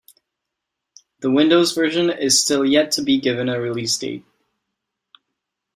The Windows version is still yet to be given a release date.